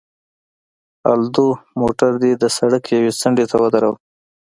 الدو، موټر دې د سړک یوې څنډې ته ودروه.